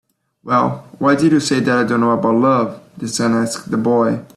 "Well, why did you say that I don't know about love?" the sun asked the boy.